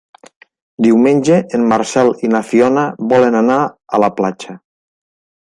Diumenge en Marcel i na Fiona volen anar a la platja.